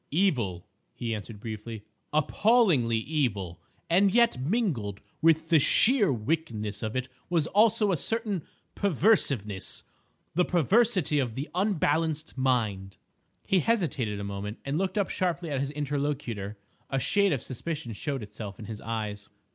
"Evil," he answered briefly, "appallingly evil, and yet mingled with the sheer wickedness of it was also a certain perverseness—the perversity of the unbalanced mind." He hesitated a moment and looked up sharply at his interlocutor. A shade of suspicion showed itself in his eyes.